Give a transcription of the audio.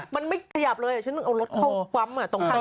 มันไม่ขยับเลยฉันจะเอารถเข้าเฟ้อมตรงข้าง